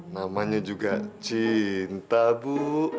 namanya juga cinta bu